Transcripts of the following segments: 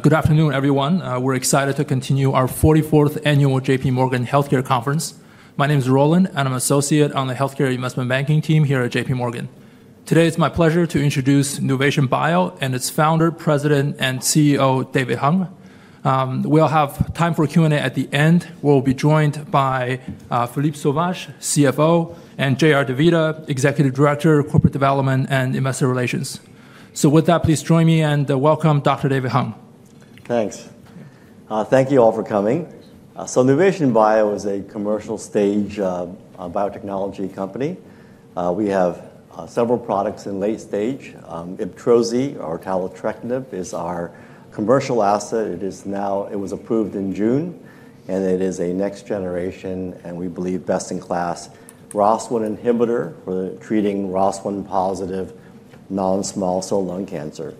Good afternoon, everyone. We're excited to continue our 44th annual J.P. Morgan Healthcare Conference. My name is Roland, and I'm an associate on the Healthcare Investment Banking team here at J.P. Morgan. Today, it's my pleasure to introduce Nuvation Bio and its Founder, President, and CEO, David Hung. We'll have time for Q&A at the end. We'll be joined by Philippe Sauvage, CFO, and J.R. DeVita, Executive Director, Corporate Development and Investor Relations. So with that, please join me and welcome Dr. David Hung. Thanks. Thank you all for coming. So Nuvation Bio is a commercial stage biotechnology company. We have several products in late stage. Ibtrozi, or taletrectinib, is our commercial asset. It was approved in June, and it is a next generation, and we believe best in class ROS1 inhibitor for treating ROS1-positive non-small cell lung cancer.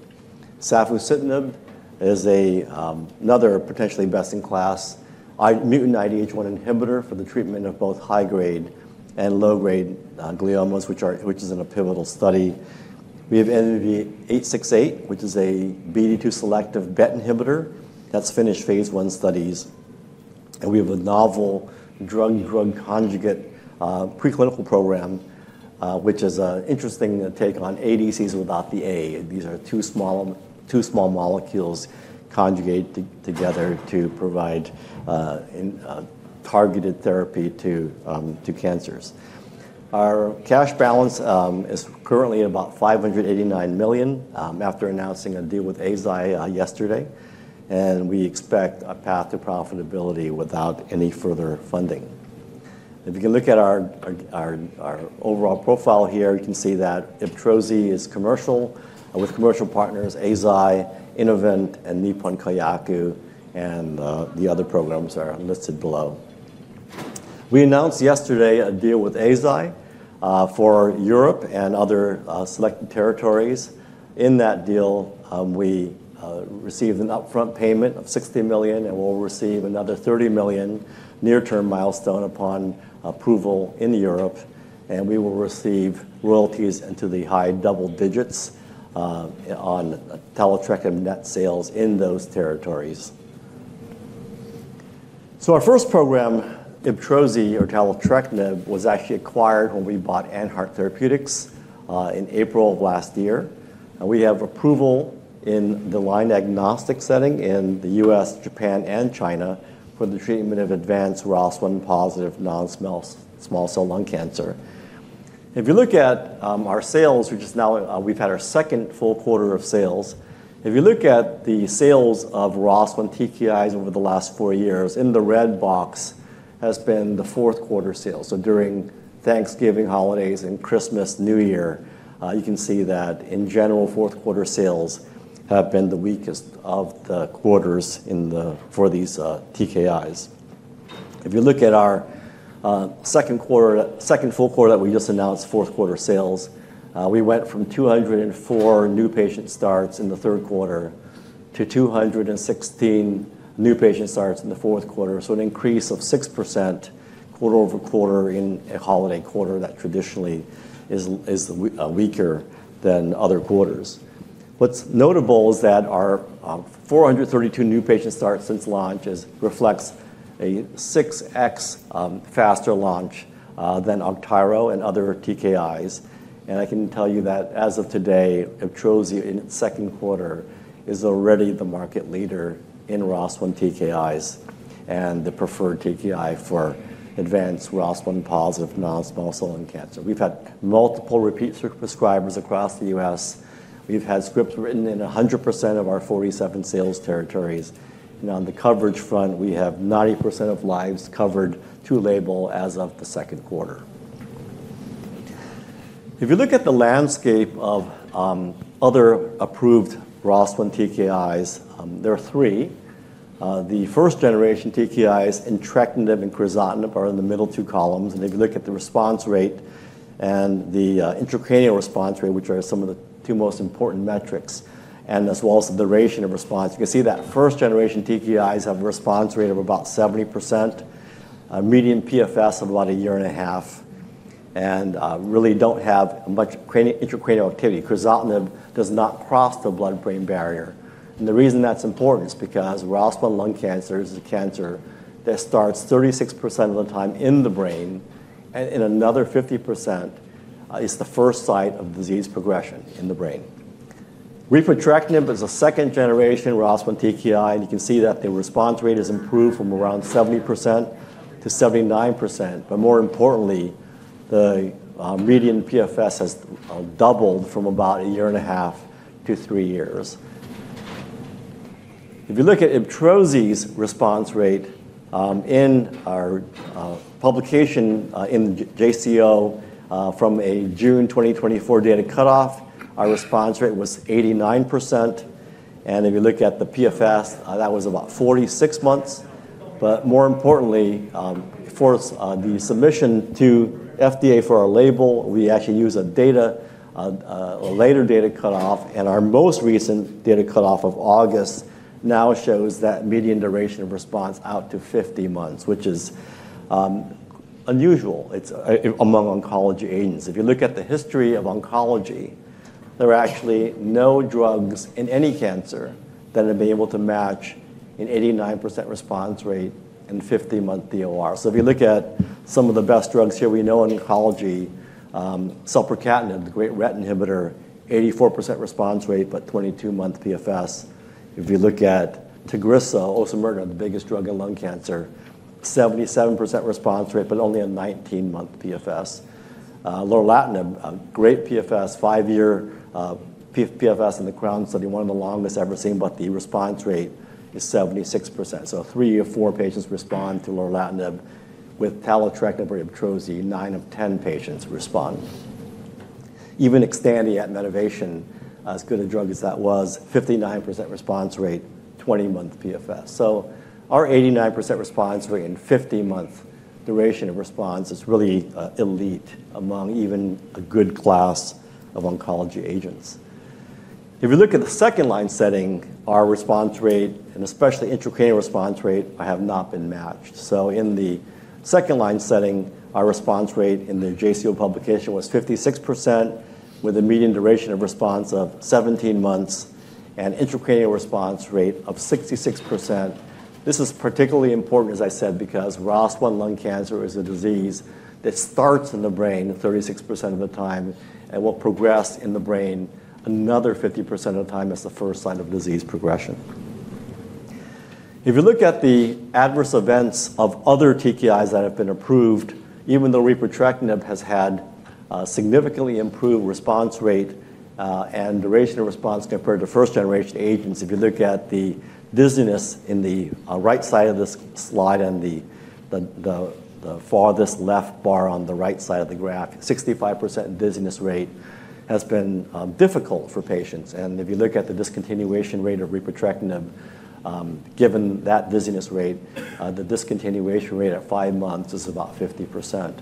Safusidenib is another potentially best in class mutant IDH1 inhibitor for the treatment of both high-grade and low-grade gliomas, which is in a pivotal study. We have NUV-868, which is a BD2 selective BET inhibitor that's finished phase I studies. And we have a novel drug-drug conjugate preclinical program, which is an interesting take on ADCs without the A. These are two small molecules conjugate together to provide targeted therapy to cancers. Our cash balance is currently about $589 million after announcing a deal with Eisai yesterday, and we expect a path to profitability without any further funding. If you can look at our overall profile here, you can see that Ibtrozi is commercial with commercial partners Eisai, Innovent, and Nippon Kayaku, and the other programs are listed below. We announced yesterday a deal with Eisai for Europe and other selected territories. In that deal, we received an upfront payment of $60 million, and we'll receive another $30 million near-term milestone upon approval in Europe, and we will receive royalties into the high double digits on taletrectinib net sales in those territories. So our first program, Ibtrozi or taletrectinib, was actually acquired when we bought AnHeart Therapeutics in April of last year. We have approval in the line agnostic setting in the U.S., Japan, and China for the treatment of advanced ROS1-positive non-small cell lung cancer. If you look at our sales, we just now, we've had our second full quarter of sales. If you look at the sales of ROS1 TKIs over the last four years, in the red box has been the 4th quarter sales. So during Thanksgiving, holidays, and Christmas, New Year, you can see that in general, 4th quarter sales have been the weakest of the quarters for these TKIs. If you look at our 2nd full quarter that we just announced, 4th quarter sales, we went from 204 new patient starts in the 3rd quarter to 216 new patient starts in the 4th quarter, so an increase of 6% quarter-over-quarter in a holiday quarter that traditionally is weaker than other quarters. What's notable is that our 432 new patient starts since launch reflects a 6x faster launch Augtyro and other TKIs. And I can tell you that as of today, Ibtrozi in its 2nd quarter is already the market leader in ROS1 TKIs and the preferred TKI for advanced ROS1-positive non-small cell lung cancer. We've had multiple repeat prescribers across the U.S. We've had scripts written in 100% of our 47 sales territories. And on the coverage front, we have 90% of lives covered to label as of the 2nd quarter. If you look at the landscape of other approved ROS1 TKIs, there are three. The first generation TKIs, entrectinib and crizotinib, are in the middle two columns. If you look at the response rate and the intracranial response rate, which are some of the two most important metrics, and as well as the duration of response, you can see that first-generation TKIs have a response rate of about 70%, median PFS of about a year and a half, and really don't have much intracranial activity. Crizotinib does not cross the blood-brain barrier, and the reason that's important is because ROS1 lung cancer is a cancer that starts 36% of the time in the brain, and in another 50%, it's the first site of disease progression in the brain. Repotrectinib is a second-generation ROS1 TKI, and you can see that the response rate has improved from around 70%-79%, but more importantly, the median PFS has doubled from about a year and a half to three years. If you look at Ibtrozi's response rate in our publication in JCO from a June 2024 data cutoff, our response rate was 89%. And if you look at the PFS, that was about 46 months. But more importantly, for the submission to FDA for our label, we actually use a later data cutoff, and our most recent data cutoff of August now shows that median duration of response out to 50 months, which is unusual among oncology agents. If you look at the history of oncology, there are actually no drugs in any cancer that have been able to match an 89% response rate and 50-month DOR. So if you look at some of the best drugs here, we know in oncology, selpercatinib, the great RET inhibitor, 84% response rate, but 22-month PFS. If you look at Tagrisso, osimertinib, the biggest drug in lung cancer, 77% response rate, but only a 19-month PFS. Lorlatinib, great PFS, five-year PFS in the CROWN study, one of the longest ever seen, but the response rate is 76%, so three out of four patients respond to lorlatinib. With taletrectinib or Ibtrozi, nine of 10 patients respond. Even Xtandi in the metastatic, as good a drug as that was, 59% response rate, 20-month PFS, so our 89% response rate and 50-month duration of response is really elite among even a good class of oncology agents. If you look at the second-line setting, our response rate, and especially intracranial response rate, have not been matched, so in the second-line setting, our response rate in the JCO publication was 56%, with a median duration of response of 17 months and intracranial response rate of 66%. This is particularly important, as I said, because ROS1 lung cancer is a disease that starts in the brain 36% of the time and will progress in the brain another 50% of the time as the first line of disease progression. If you look at the adverse events of other TKIs that have been approved, even though repotrectinib has had a significantly improved response rate and duration of response compared to first generation agents, if you look at the dizziness in the right side of this slide and the farthest left bar on the right side of the graph, 65% dizziness rate has been difficult for patients, and if you look at the discontinuation rate of repotrectinib, given that dizziness rate, the discontinuation rate at five months is about 50%.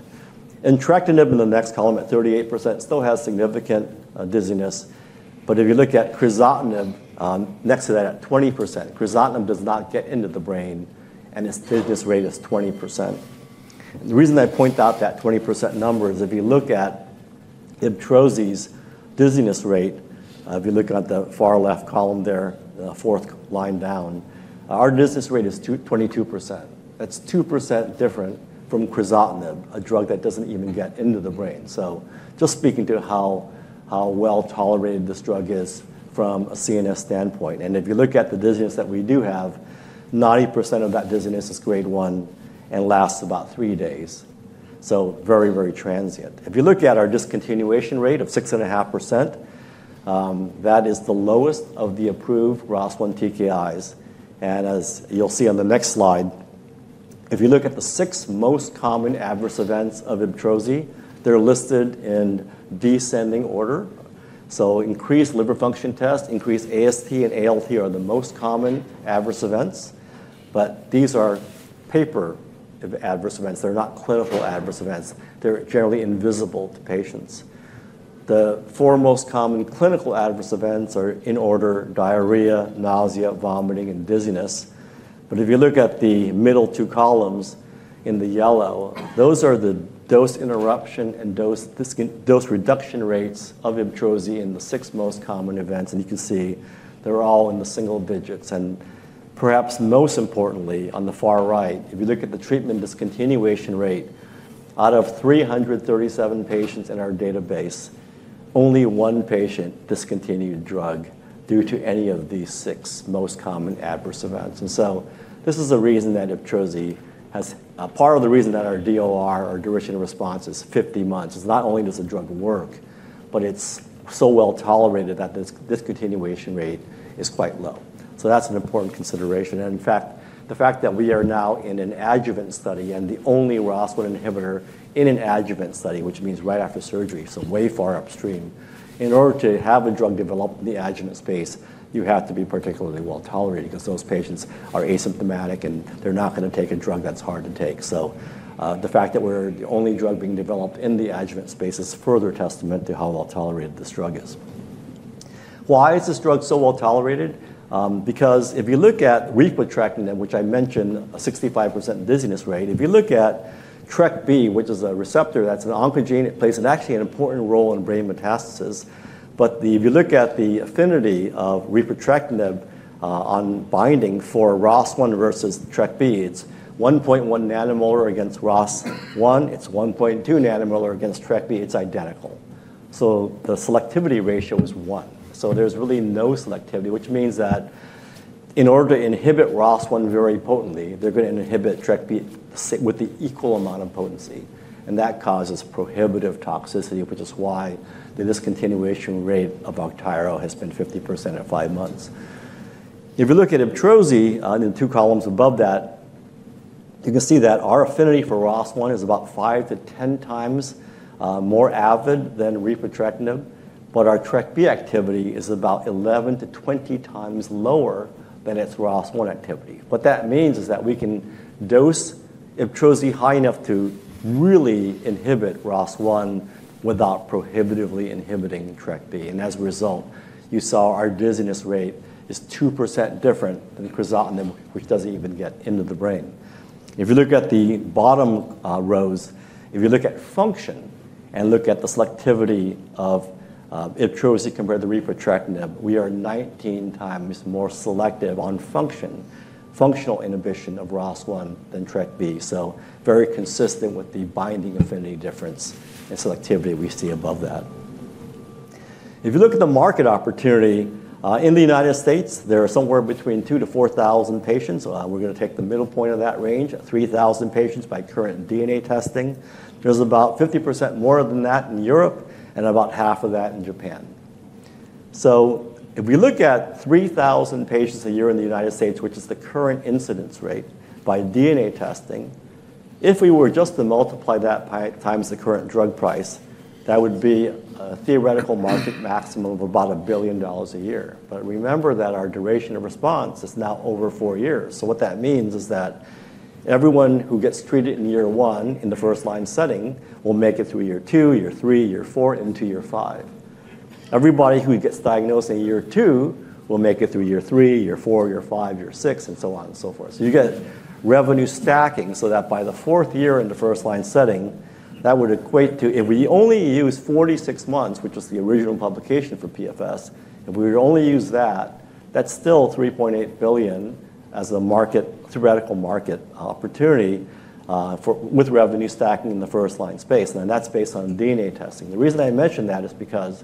Entrectinib in the next column at 38% still has significant dizziness, but if you look at crizotinib, next to that at 20%, crizotinib does not get into the brain, and its dizziness rate is 20%. The reason I point out that 20% number is if you look at Ibtrozi's dizziness rate, if you look at the far left column there, the fourth line down, our dizziness rate is 22%. That's 2% different from crizotinib, a drug that doesn't even get into the brain, so just speaking to how well tolerated this drug is from a CNS standpoint, and if you look at the dizziness that we do have, 90% of that dizziness is Grade 1 and lasts about three days, so very, very transient. If you look at our discontinuation rate of 6.5%, that is the lowest of the approved ROS1 TKIs. As you'll see on the next slide, if you look at the six most common adverse events of Ibtrozi, they're listed in descending order. So increased liver function tests, increased AST and ALT are the most common adverse events, but these are lab adverse events. They're not clinical adverse events. They're generally invisible to patients. The four most common clinical adverse events are in order: diarrhea, nausea, vomiting, and dizziness. But if you look at the middle two columns in the yellow, those are the dose interruption and dose reduction rates of Ibtrozi in the six most common events, and you can see they're all in the single digits. And perhaps most importantly, on the far right, if you look at the treatment discontinuation rate, out of 337 patients in our database, only one patient discontinued drug due to any of these six most common adverse events. And so this is the reason that Ibtrozi has part of the reason that our DOR, our duration of response, is 50 months. It's not only does the drug work, but it's so well tolerated that the discontinuation rate is quite low. So that's an important consideration. And in fact, the fact that we are now in an adjuvant study and the only ROS1 inhibitor in an adjuvant study, which means right after surgery, so way far upstream, in order to have a drug develop in the adjuvant space, you have to be particularly well tolerated because those patients are asymptomatic and they're not going to take a drug that's hard to take. So the fact that we're the only drug being developed in the adjuvant space is further testament to how well tolerated this drug is. Why is this drug so well tolerated? Because if you look at repotrectinib, which I mentioned a 65% dizziness rate, if you look at TrkB, which is a receptor that's an oncogene, it plays actually an important role in brain metastasis. But if you look at the affinity of repotrectinib on binding for ROS1 versus TrkB, it's 1.1 nanomolar against ROS1. It's 1.2 nanomolar against TrkB. It's identical. So the selectivity ratio is one. So there's really no selectivity, which means that in order to inhibit ROS1 very potently, they're going to inhibit TrkB with the equal amount of potency. And that causes prohibitive toxicity, which is why the discontinuation rate of Augtyro has been 50% at five months. If you look at Ibtrozi in the two columns above that, you can see that our affinity for ROS1 is about 5x-10x more avid than repotrectinib, but our TrkB activity is about 11x-20x lower than its ROS1 activity. What that means is that we can dose Ibtrozi high enough to really inhibit ROS1 without prohibitively inhibiting TrkB. And as a result, you saw our dizziness rate is 2% different than crizotinib, which doesn't even get into the brain. If you look at the bottom rows, if you look at function and look at the selectivity of Ibtrozi compared to repotrectinib, we are 19x more selective on functional inhibition of ROS1 than TrkB. So very consistent with the binding affinity difference and selectivity we see above that. If you look at the market opportunity in the United States, there are somewhere between 2,000-4,000 patients. We're going to take the middle point of that range, 3,000 patients by current DNA testing. There's about 50% more than that in Europe and about half of that in Japan. So if we look at 3,000 patients a year in the United States, which is the current incidence rate by DNA testing, if we were just to multiply that times the current drug price, that would be a theoretical market maximum of about $1 billion a year. But remember that our duration of response is now over four years. So what that means is that everyone who gets treated in year one in the first line setting will make it through year 2, year 3, year 4, into year 5. Everybody who gets diagnosed in year 2 will make it through year 3, year 4, year 5, year 6, and so on and so forth. So you get revenue stacking so that by the fourth year in the first line setting, that would equate to, if we only use 46 months, which was the original publication for PFS, if we would only use that, that's still $3.8 billion as a theoretical market opportunity with revenue stacking in the first line space, and that's based on DNA testing. The reason I mentioned that is because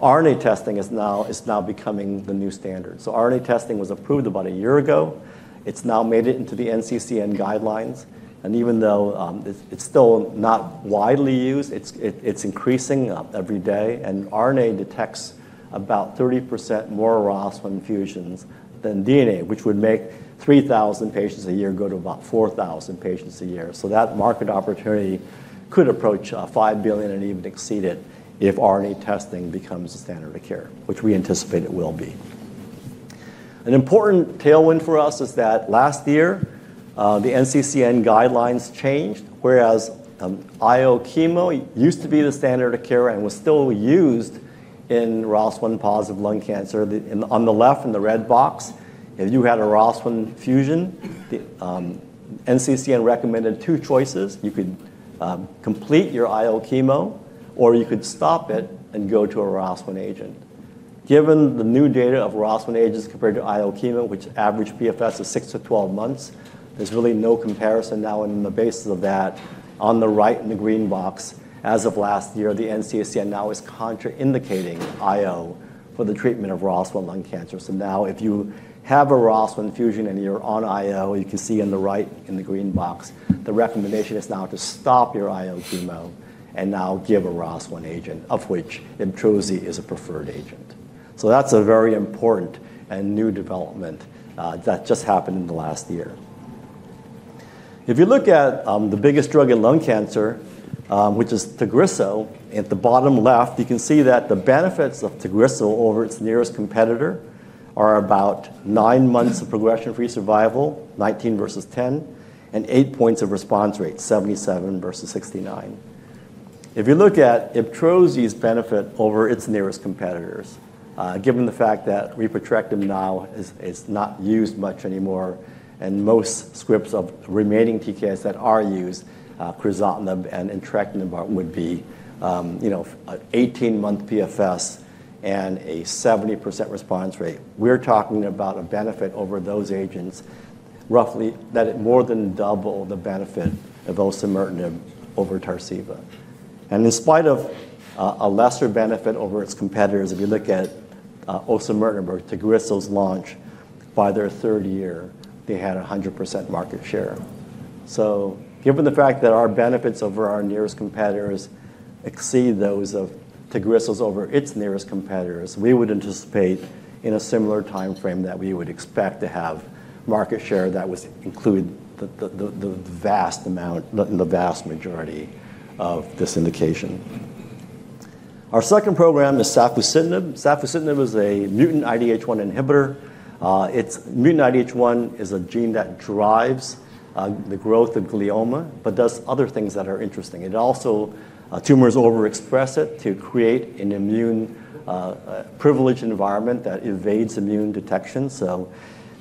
RNA testing is now becoming the new standard, so RNA testing was approved about a year ago. It's now made it into the NCCN guidelines, and even though it's still not widely used, it's increasing every day. RNA detects about 30% more ROS1 fusions than DNA, which would make 3,000 patients a year go to about 4,000 patients a year. So that market opportunity could approach $5 billion and even exceed it if RNA testing becomes the standard of care, which we anticipate it will be. An important tailwind for us is that last year, the NCCN guidelines changed, whereas IO Chemo used to be the standard of care and was still used in ROS1-positive lung cancer. On the left in the red box, if you had a ROS1 fusion, NCCN recommended two choices. You could complete your IO Chemo, or you could stop it and go to a ROS1 agent. Given the new data of ROS1 agents compared to IO Chemo, which average PFS of 6-12 months, there's really no comparison now. And on the basis of that, on the right in the green box, as of last year, the NCCN now is contraindicating IO for the treatment of ROS1 lung cancer. So now if you have a ROS1 fusion and you're on IO, you can see on the right in the green box, the recommendation is now to stop your IO Chemo and now give a ROS1 agent, of which Ibtrozi is a preferred agent. So that's a very important and new development that just happened in the last year. If you look at the biggest drug in lung cancer, which is Tagrisso, at the bottom left, you can see that the benefits of Tagrisso over its nearest competitor are about nine months of progression-free survival, 19 versus 10, and eight points of response rate, 77 versus 69. If you look at Ibtrozi's benefit over its nearest competitors, given the fact that repotrectinib now is not used much anymore, and most scripts of remaining TKIs that are used, crizotinib and entrectinib, would be 18-month PFS and a 70% response rate, we're talking about a benefit over those agents roughly that more than double the benefit of osimertinib over Tarceva, and in spite of a lesser benefit over its competitors, if you look at osimertinib or Tagrisso's launch, by their third year, they had 100% market share, given the fact that our benefits over our nearest competitors exceed those of Tagrisso's over its nearest competitors, we would anticipate in a similar timeframe that we would expect to have market share that would include the vast amount, the vast majority of this indication. Our second program is safusidenib. Safusidenib is a mutant IDH1 inhibitor. It's mutant IDH1 is a gene that drives the growth of glioma, but does other things that are interesting. It also, tumors overexpress it to create an immune privileged environment that evades immune detection. So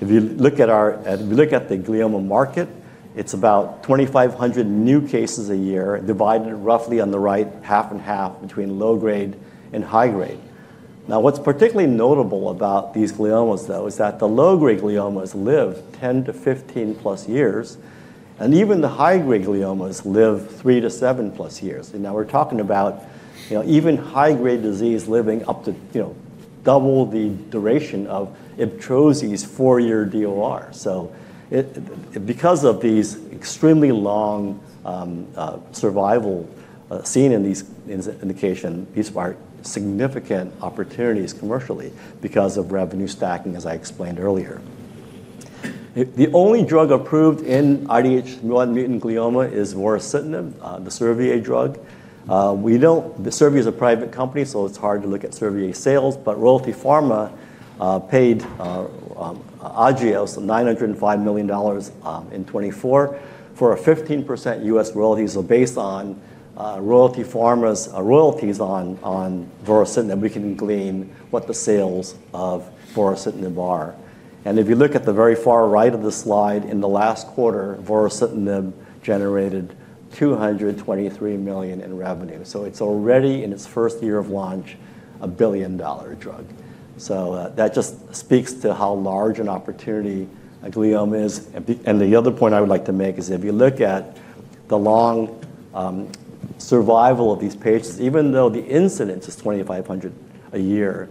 if you look at the glioma market, it's about 2,500 new cases a year, divided roughly on the right, half and half between low-grade and high-grade. Now, what's particularly notable about these gliomas, though, is that the low-grade gliomas live 10-15 plus years, and even the high-grade gliomas live three to seven plus years. Now we're talking about even high-grade disease living up to double the duration of Ibtrozi's four-year DOR. So because of these extremely long survival seen in these indications, these are significant opportunities commercially because of revenue stacking, as I explained earlier. The only drug approved in IDH1 mutant glioma is vorasidenib, the Servier drug. The Servier is a private company, so it's hard to look at Servier sales, but Royalty Pharma paid Agios $905 million in 2024 for a 15% U.S. royalties. Based on Royalty Pharma's royalties on vorasidenib, we can glean what the sales of vorasidenib are. If you look at the very far right of the slide, in the last quarter, vorasidenib generated $223 million in revenue. It's already, in its first year of launch, a billion-dollar drug. That just speaks to how large an opportunity a glioma is. And the other point I would like to make is if you look at the long survival of these patients, even though the incidence is 2,500 a year,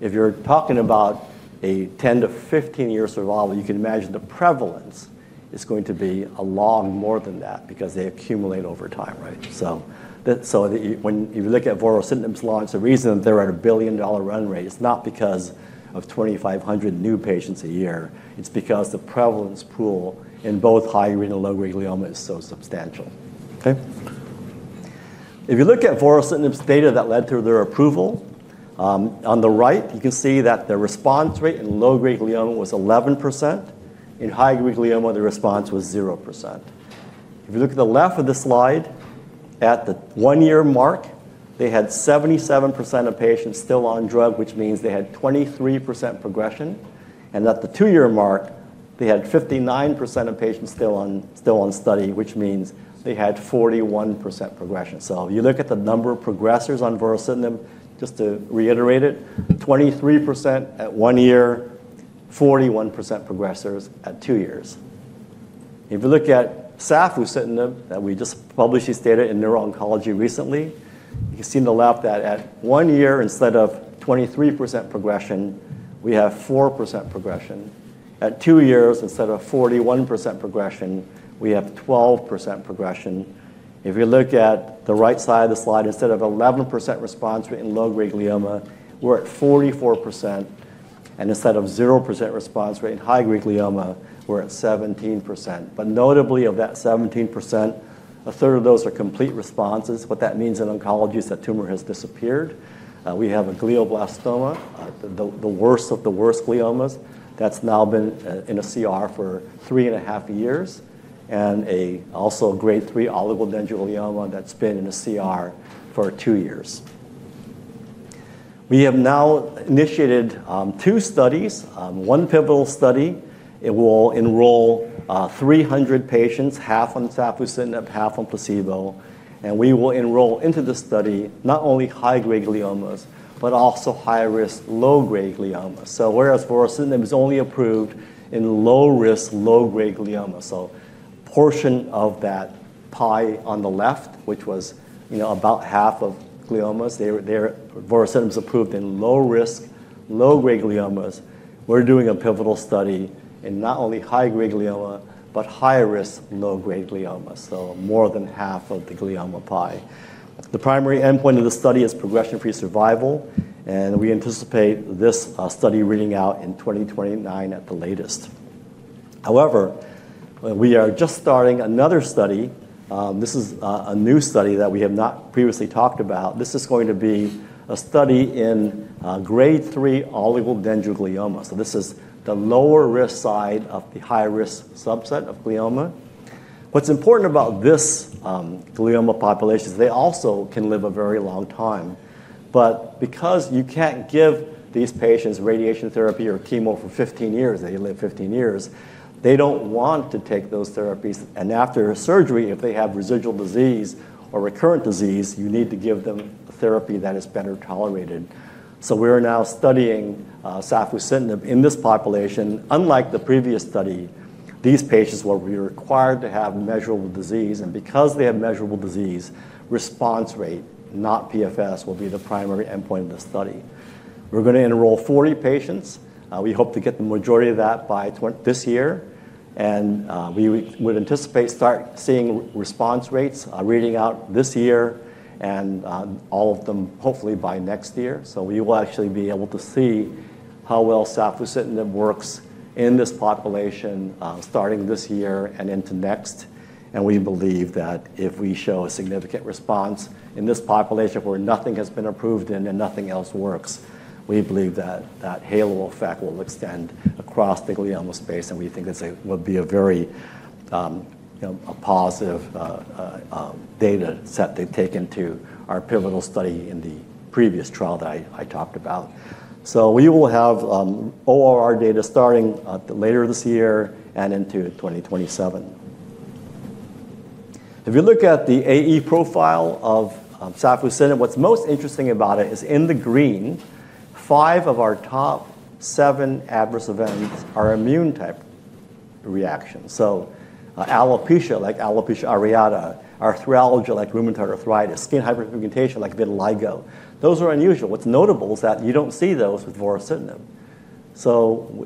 if you're talking about a 10-15 years survival, you can imagine the prevalence is going to be a lot more than that because they accumulate over time, right? So when you look at vorasidenib's launch, the reason that they're at a billion-dollar run rate is not because of 2,500 new patients a year. It's because the prevalence pool in both high-grade and low-grade glioma is so substantial. Okay? If you look at vorasidenib's data that led to their approval, on the right, you can see that the response rate in low-grade glioma was 11%. In high-grade glioma, the response was 0%. If you look at the left of the slide, at the one-year mark, they had 77% of patients still on drug, which means they had 23% progression. And at the two-year mark, they had 59% of patients still on study, which means they had 41% progression. So you look at the number of progressors on vorasidenib, just to reiterate it, 23% at one year, 41% progressors at two years. If you look at safusidenib, that we just published these data in Neuro-Oncology recently, you can see on the left that at one year, instead of 23% progression, we have 4% progression. At two years, instead of 41% progression, we have 12% progression. If you look at the right side of the slide, instead of 11% response rate in low-grade glioma, we're at 44%. And instead of 0% response rate in high-grade glioma, we're at 17%. But notably, of that 17%, 1/3 of those are complete responses. What that means in oncology is that tumor has disappeared. We have a glioblastoma, the worst of the worst gliomas, that's now been in a CR for three and a half years, and also a Grade 3 oligodendroglioma that's been in a CR for two years. We have now initiated two studies, one pivotal study. It will enroll 300 patients, half on safusidenib, half on placebo. And we will enroll into the study not only high-grade gliomas, but also high-risk low-grade gliomas. So whereas vorasidenib is only approved in low-risk low-grade gliomas, so a portion of that pie on the left, which was about half of gliomas, vorasidenib's approved in low-risk low-grade gliomas, we're doing a pivotal study in not only high-grade glioma, but high-risk low-grade gliomas, so more than half of the glioma pie. The primary endpoint of the study is progression-free survival, and we anticipate this study reading out in 2029 at the latest. However, we are just starting another study. This is a new study that we have not previously talked about. This is going to be a study in Grade 3 oligodendroglioma, so this is the lower-risk side of the high-risk subset of glioma. What's important about this glioma population is they also can live a very long time, but because you can't give these patients radiation therapy or chemo for 15 years, they live 15 years, they don't want to take those therapies, and after surgery, if they have residual disease or recurrent disease, you need to give them a therapy that is better tolerated, so we're now studying safusidenib in this population. Unlike the previous study, these patients will be required to have measurable disease. Because they have measurable disease, response rate, not PFS, will be the primary endpoint of the study. We're going to enroll 40 patients. We hope to get the majority of that by this year. We would anticipate starting to see response rates reading out this year and all of them, hopefully, by next year. We will actually be able to see how well safusidenib works in this population starting this year and into next. We believe that if we show a significant response in this population where nothing has been approved in and nothing else works, we believe that that halo effect will extend across the glioma space. We think it will be a very positive data set they take into our pivotal study in the previous trial that I talked about. We will have ORR data starting later this year and into 2027. If you look at the AE profile of safusidenib, what's most interesting about it is in the green, five of our top seven adverse events are immune-type reactions. Alopecia, like alopecia areata, arthralgia, like rheumatoid arthritis, skin hyperpigmentation, like vitiligo, those are unusual. What's notable is that you don't see those with vorasidenib.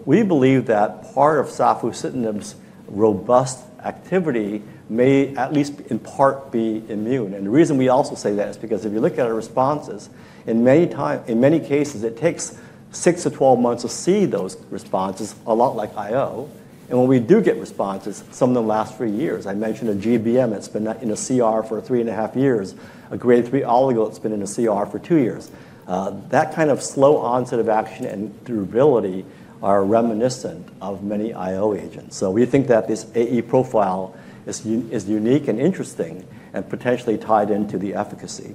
We believe that part of safusidenib's robust activity may at least in part be immune. The reason we also say that is because if you look at our responses, in many cases, it takes 6-12 months to see those responses, a lot like IO. When we do get responses, some of them last three years. I mentioned a GBM that's been in a CR for three and a half years, a Grade 3 oligo that's been in a CR for two years. That kind of slow onset of action and durability are reminiscent of many IO agents. So we think that this AE profile is unique and interesting and potentially tied into the efficacy.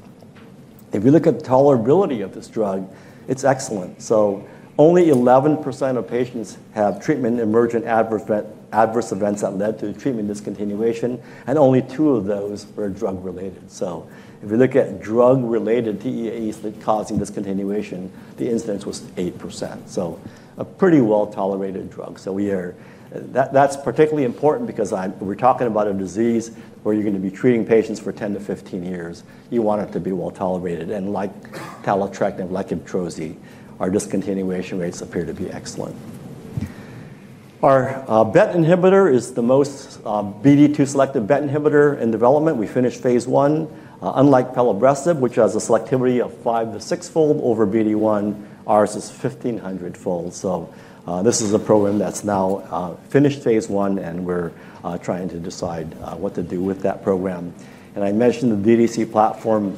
If you look at tolerability of this drug, it's excellent. So only 11% of patients have treatment-emergent adverse events that led to treatment discontinuation, and only two of those were drug-related. So if you look at drug-related TEAEs causing discontinuation, the incidence was 8%. So a pretty well-tolerated drug. So that's particularly important because we're talking about a disease where you're going to be treating patients for 10-15 years. You want it to be well-tolerated. And like taletrectinib, like Ibtrozi, our discontinuation rates appear to be excellent. Our BET inhibitor is the most BD2-selective BET inhibitor in development. We finished phase I. Unlike pelabresib, which has a selectivity of five- to six-fold over BD1, ours is 1,500-fold. So this is a program that's now finished phase I, and we're trying to decide what to do with that program. And I mentioned the DDC platform.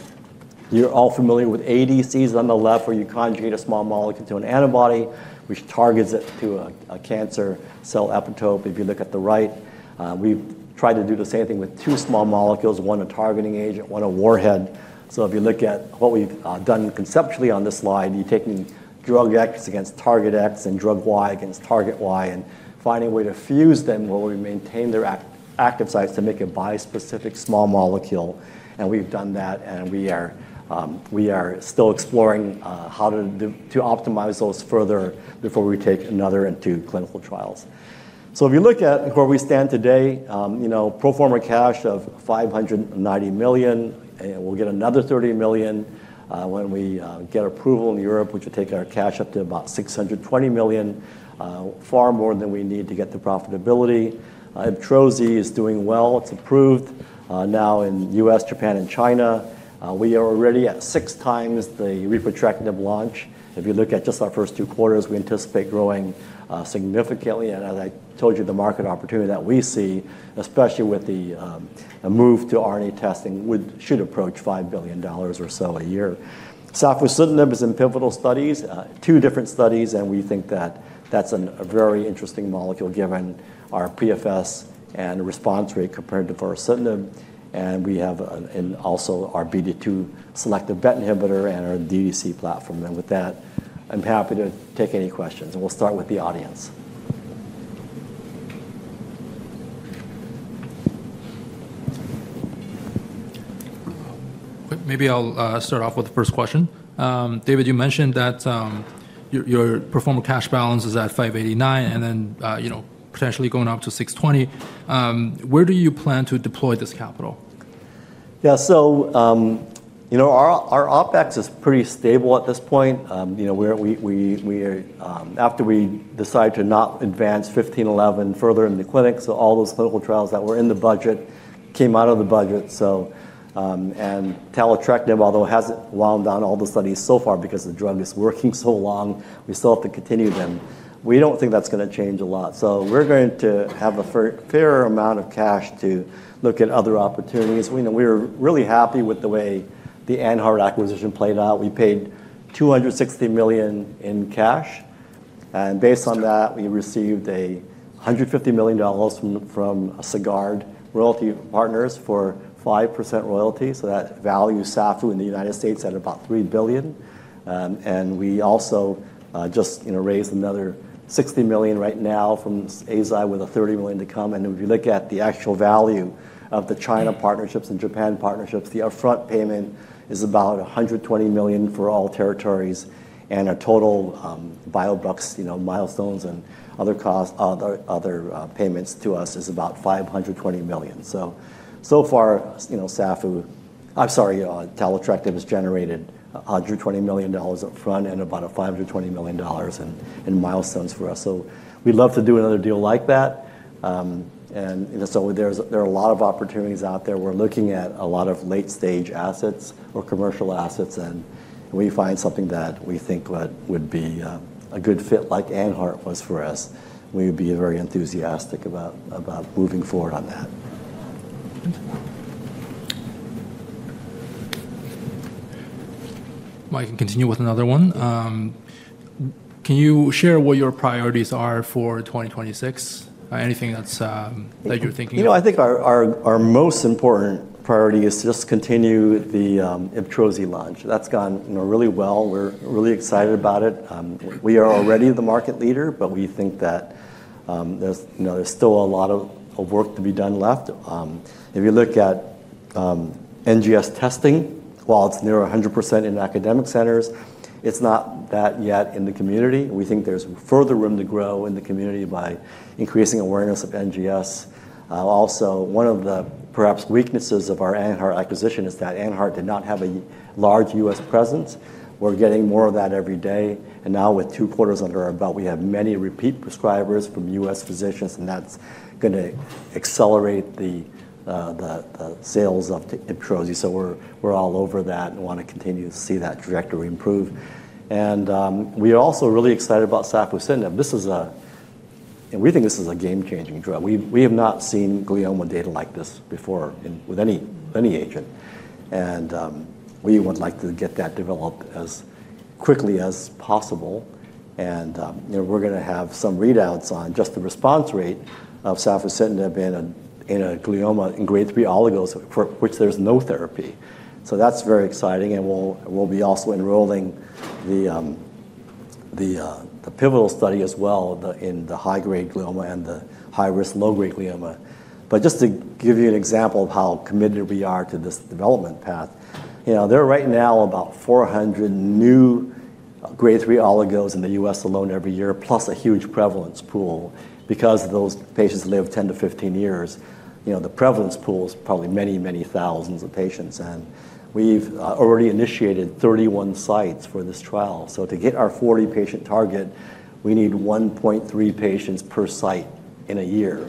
You're all familiar with ADCs on the left where you conjugate a small molecule to an antibody, which targets it to a cancer cell epitope. If you look at the right, we've tried to do the same thing with two small molecules, one a targeting agent, one a warhead. So if you look at what we've done conceptually on this slide, you're taking drug X against target X and drug Y against target Y and finding a way to fuse them where we maintain their active sites to make a bispecific small molecule. And we've done that, and we are still exploring how to optimize those further before we take another into clinical trials. So if you look at where we stand today, pro forma cash of $590 million, and we'll get another $30 million when we get approval in Europe, which will take our cash up to about $620 million, far more than we need to get the profitability. Ibtrozi is doing well. It's approved now in the U.S., Japan, and China. We are already at 6x the repotrectinib launch. If you look at just our first two quarters, we anticipate growing significantly. And as I told you, the market opportunity that we see, especially with the move to RNA testing, should approach $5 billion or so a year. Safusidenib is in pivotal studies, two different studies, and we think that that's a very interesting molecule given our PFS and response rate compared to vorasidenib. And we have also our BD2-selective BET inhibitor and our DDC platform. And with that, I'm happy to take any questions. And we'll start with the audience. Maybe I'll start off with the first question. David, you mentioned that your pro forma cash balance is at $589 million and then potentially going up to $620 million. Where do you plan to deploy this capital? Yeah. So our OpEx is pretty stable at this point. After we decide to not advance NUV-1511 further in the clinic, so all those clinical trials that were in the budget came out of the budget. And taletrectinib, although it hasn't wound down all the studies so far because the drug is working so long, we still have to continue them. We don't think that's going to change a lot. So we're going to have a fair amount of cash to look at other opportunities. We were really happy with the way the AnHeart acquisition played out. We paid $260 million in cash. And based on that, we received $150 million from Sagard Royalty Partners for 5% royalty. So that values taletrectinib in the United States at about $3 billion. And we also just raised another $60 million right now from Eisai with a $30 million to come. And if you look at the actual value of the China partnerships and Japan partnerships, the upfront payment is about $120 million for all territories. And our total biobucks milestones and other payments to us is about $520 million. So far, taletrectinib, I'm sorry, taletrectinib has generated $120 million upfront and about $520 million in milestones for us. So we'd love to do another deal like that. And so there are a lot of opportunities out there. We're looking at a lot of late-stage assets or commercial assets. And we find something that we think would be a good fit, like AnHeart was for us. We would be very enthusiastic about moving forward on that. If I can continue with another one. Can you share what your priorities are for 2026? Anything that you're thinking of? I think our most important priority is to just continue the Ibtrozi launch. That's gone really well. We're really excited about it. We are already the market leader, but we think that there's still a lot of work to be done left. If you look at NGS testing, while it's near 100% in academic centers, it's not that yet in the community. We think there's further room to grow in the community by increasing awareness of NGS. Also, one of the perhaps weaknesses of our AnHeart acquisition is that AnHeart did not have a large U.S. presence. We're getting more of that every day. And now, with two quarters under our belt, we have many repeat prescribers from U.S. physicians, and that's going to accelerate the sales of Ibtrozi. So we're all over that and want to continue to see that trajectory improve. And we are also really excited about safusidenib. We think this is a game-changing drug. We have not seen glioma data like this before with any agent. And we would like to get that developed as quickly as possible. And we're going to have some readouts on just the response rate of safusidenib in a glioma in Grade 3 oligos, for which there's no therapy. So that's very exciting. We'll be also enrolling the pivotal study as well in the high-grade glioma and the high-risk low-grade glioma. But just to give you an example of how committed we are to this development path, there are right now about 400 new Grade 3 oligos in the U.S. alone every year, plus a huge prevalence pool. Because those patients live 10-15 years, the prevalence pool is probably many, many thousands of patients. And we've already initiated 31 sites for this trial. So to get our 40-patient target, we need 1.3 patients per site in a year.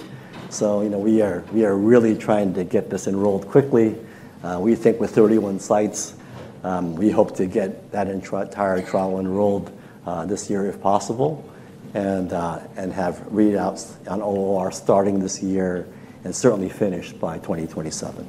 So we are really trying to get this enrolled quickly. We think with 31 sites, we hope to get that entire trial enrolled this year, if possible, and have readouts on ORR starting this year and certainly finished by 2027.